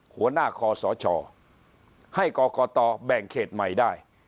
หัวหน้าคอสชให้กรกตแบ่งเขตใหม่ได้